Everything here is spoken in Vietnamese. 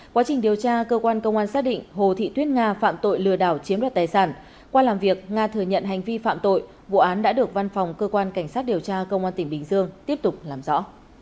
quá trình điều tra cơ quan công an xác định hồ thị tuyết nga phạm tội lừa đảo chiếm đoạt tài sản qua làm việc nga thừa nhận hành vi phạm tội vụ án đã được văn phòng cơ quan cảnh sát điều tra công an tỉnh bình dương tiếp tục làm rõ